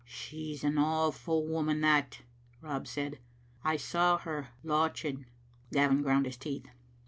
" She's an awfu' woman that," Rob said. " I saw her lauching." Gavin ground his teeth.